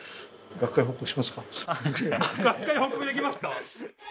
学会報告できますか？